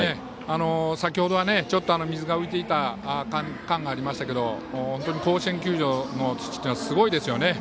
先ほどは、ちょっと水が浮いていた感がありましたけど甲子園球場の土っていうのはすごいですよね。